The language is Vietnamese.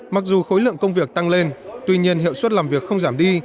mặc dù khối lượng công việc tăng lên tuy nhiên hiệu suất làm việc không giảm đi